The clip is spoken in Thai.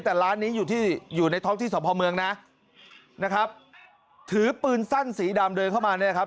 แต่ร้านนี้อยู่ที่อยู่ในท้องที่สมภาวเมืองนะนะครับถือปืนสั้นสีดำเดินเข้ามาเนี่ยครับ